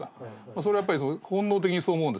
それは、やっぱり本能的に、そう思うんですよ。